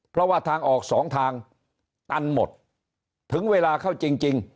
เพราะว่าทางออกสองทางตันหมดถึงเวลาเข้าจริง